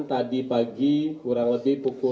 tadi pagi kurang lebih pukul